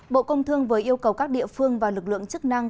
bộ công thương vừa yêu cầu các địa phương và lực lượng chức năng